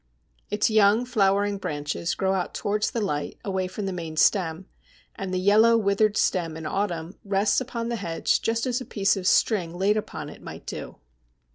Its young flowering branches grow out towards the light away from the main stem, and the yellow withered stem in autumn rests upon the hedge just as a piece of string laid upon it might do.